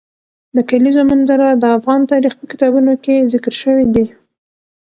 د کلیزو منظره د افغان تاریخ په کتابونو کې ذکر شوی دي.